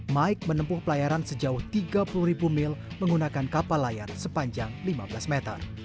mike menempuh pelayaran sejauh tiga puluh ribu mil menggunakan kapal layar sepanjang lima belas meter